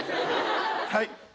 はい。